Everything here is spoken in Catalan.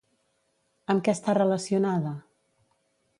Amb què està relacionada?